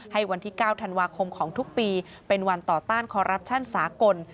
วันที่๙ธันวาคมของทุกปีเป็นวันต่อต้านคอรัปชั่นสากล